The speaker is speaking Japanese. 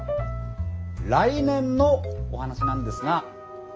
来年のお話なんですが。